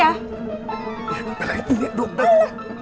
ya udah belanya ini doang